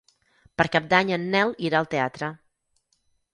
Per Cap d'Any en Nel irà al teatre.